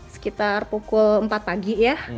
sekitar pukul empat pagi